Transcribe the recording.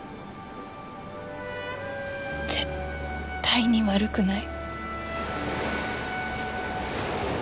絶対に悪くない。